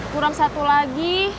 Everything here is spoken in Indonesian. kurang satu lagi